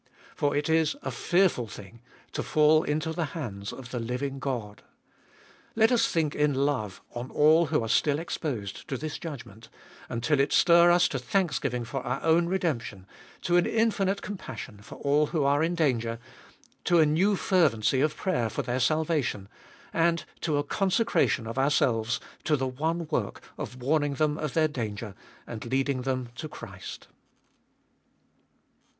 For it is a fearful thing to fall into the hands of the living God. Let us think in love on all who are still exposed to this judgment, until it stir us to thanksgiving for our own redemption, to an infinite compassion for all who are in danger, to new fervency of prayer for their salvation, and to a consecration of ourselves to the one work of warning them of their danger and leading them to Christ.